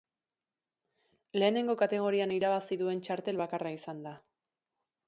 Lehenengo kategorian irabazi duen txartel bakarra izan da.